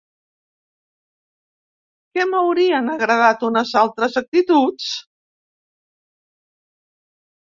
Que m’haurien agradat unes altres actituds?